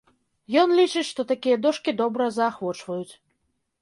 Ён лічыць, што такія дошкі добра заахвочваюць!